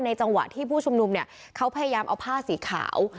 ในจังหวะที่ผู้ชมนุมเขาพยายามเอาผ้าสีขาว